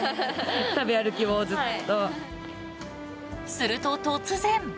すると、突然。